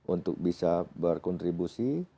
untuk bisa berkontribusi